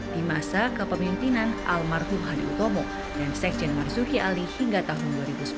di masa kepemimpinan almarhum hadi utomo dan sekjen marzuki ali hingga tahun dua ribu sepuluh